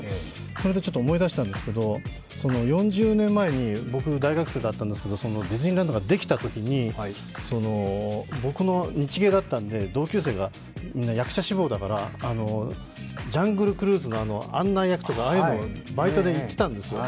それで思い出したんですけど、４０年前に僕大学生だったんですけどディズニーランドできたときに、僕、日芸だったので同級生が役者志望だったからジャングルクルーズの案内のバイトで行っていたんですよ。